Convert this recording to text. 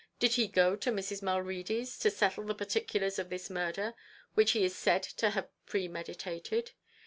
Did he go to Mrs. Mulready's to settle the particulars of this murder which he is said to have premeditated?